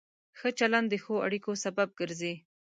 ښه چلند د ښو اړیکو سبب ګرځي.